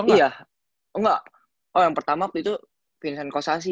iya oh enggak oh yang pertama waktu itu vincent kossasi